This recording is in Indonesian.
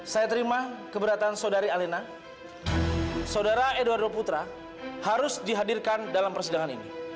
saya terima keberatan saudari alena saudara edo putra harus dihadirkan dalam persidangan ini